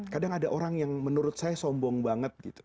kadang ada orang yang menurut saya sombong banget gitu